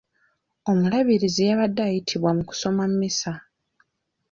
Omulabirizi yabadde ayitiddwa mu kusoma mmisa.